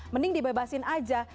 mending dibebasin aja